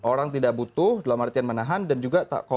orang tidak butuh dalam artian menahan dan juga